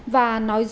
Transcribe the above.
và nói dối là đề nghị